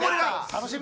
楽しみ！